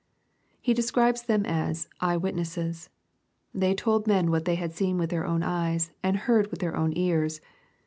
He describes them as " eye witnesses." They told men what they had seen with their own eyes, and heard with their own ears.